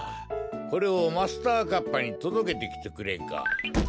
これをマスターカッパーにとどけてきてくれんか？